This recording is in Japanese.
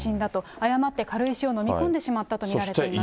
誤って軽石を飲み込んでしまったと見られています。